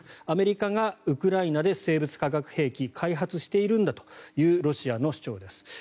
アメリカがウクライナで生物・化学兵器を開発しているんだというロシアの主張です。